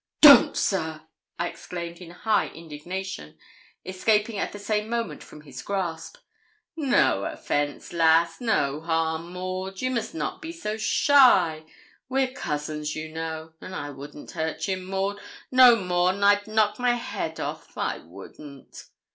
'Don't, sir,' I exclaimed in high indignation, escaping at the same moment from his grasp. 'No offence, lass; no harm, Maud; you must not be so shy we're cousins, you know an' I wouldn't hurt ye, Maud, no more nor I'd knock my head off. I wouldn't.'